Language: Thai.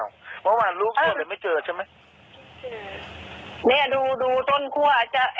เมื่อวานลูกข้วเดี๋ยวไม่เจอใช่ไหมไม่เจอเนี้ยดูดูต้นขั้วอาจารย์